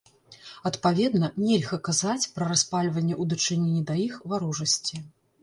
Адпаведна, нельга казаць пра распальванне ў дачыненні да іх варожасці.